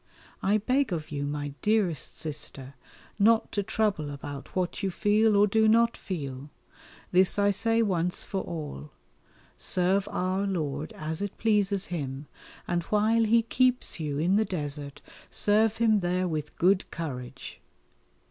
I beg of you, my dearest Sister, not to trouble about what you feel or do not feel this I say once for all. Serve Our Lord as it pleases Him, and while He keeps you in the desert serve Him there with good courage.